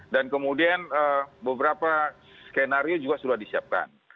dan kemudian beberapa skenario juga sudah disiapkan